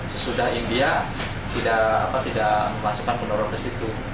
sesudah india tidak memasukkan pendonor ke situ